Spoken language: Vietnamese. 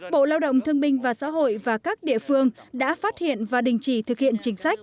bộ lao động thương minh và xã hội và các địa phương đã phát hiện và đình chỉ thực hiện chính sách